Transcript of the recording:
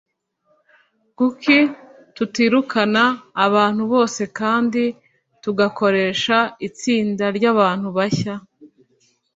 Kuki tutirukana abantu bose kandi tugakoresha itsinda ryabantu bashya?